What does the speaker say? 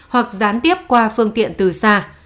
hoặc gián tiếp qua phương tiện từ xa